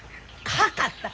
「かかったか？」